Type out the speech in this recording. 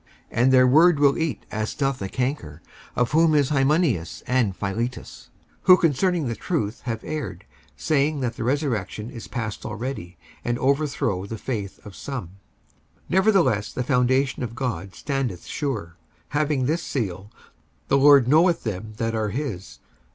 55:002:017 And their word will eat as doth a canker: of whom is Hymenaeus and Philetus; 55:002:018 Who concerning the truth have erred, saying that the resurrection is past already; and overthrow the faith of some. 55:002:019 Nevertheless the foundation of God standeth sure, having this seal, The Lord knoweth them that are his.